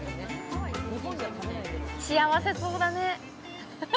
幸せそうだね。